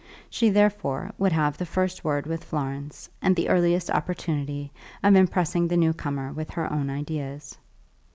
She therefore would have the first word with Florence, and the earliest opportunity of impressing the new comer with her own ideas.